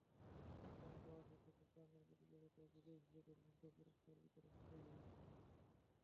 আলোচনা সভা শেষে চিত্রাঙ্কন প্রতিযোগিতায় বিজয়ী শিশুদের মধ্যে পুরস্কার বিতরণ করা হয়।